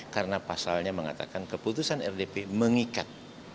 karena pasalnya mengatakan keputusan rdp mengikat